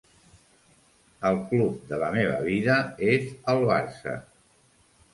El club de la meva vida és el Barça.